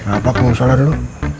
apa kamu salat dulu